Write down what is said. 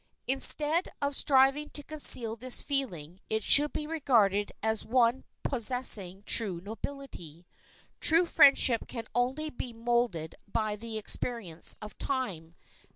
Instead of striving to conceal this feeling, it should be regarded as one possessing true nobility. True friendship can only be molded by the experience of time.